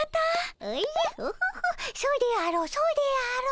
おじゃオホホそうであろうそうであろう。